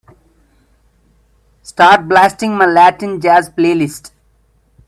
Start blasting my Latin Jazz playlist.